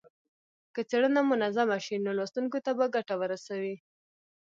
که څېړنه منظمه شي نو لوستونکو ته به ګټه ورسوي.